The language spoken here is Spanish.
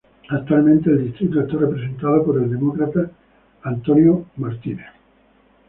Actualmente el distrito está representado por el Demócrata Ron Barber.